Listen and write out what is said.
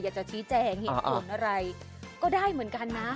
อยากจะชี้แจงเหตุผลอะไรก็ได้เหมือนกันนะ